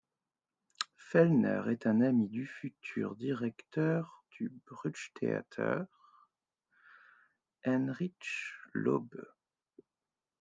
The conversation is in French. Fellner est un ami du futur directeur du Burgtheater, Heinrich Laube.